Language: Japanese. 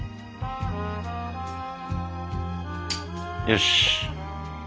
よし。